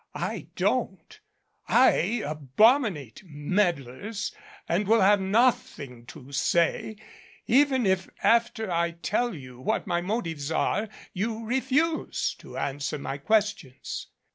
I don't. I abominate med dlers and will have nothing to say, even if after I tell you what my motives are, you refuse to answer my questions.